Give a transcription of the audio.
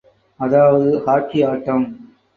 அதாவது ஹாக்கி ஆட்டம்.